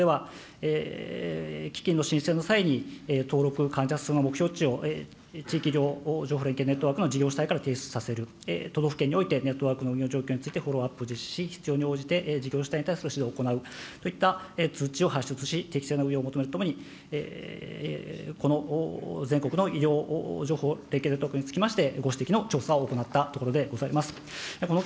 会計検査院の指摘を踏まえまして、厚生労働省では、基金の申請の際に登録、患者数の目標値を地域医療情報連携ネットワークの事業主体から提出させる、都道府県においてネットワークの利用条件について、フォローアップに必要に応じて、事業主体に対する指導を行う、そういった通知を発出し、適正な運用を求めるとともに、この全国の医療情報連携ネットワークにつきまして、ご指摘の調査を行ったところでございます。